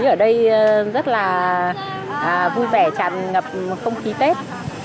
khi ở đây rất là vui vẻ tràn ngập không khí tết